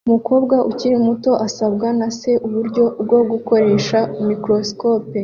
Umukobwa ukiri muto asabwa na se uburyo bwo gukoresha microscope